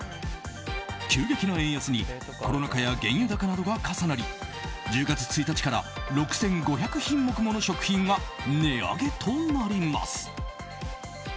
急激な円安にコロナ禍や原油高などが重なり１０月１日から６５００品目もの食品が値上げとなります。